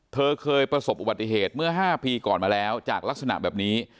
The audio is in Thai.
เธอเคยประสบอุบัติเหตุเมื่อ๕ปีก่อนมาแล้วจากลักษณะแบบนี้